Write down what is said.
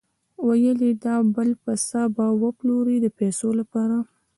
ویل یې دا بل پسه به وپلوري د پیسو لپاره.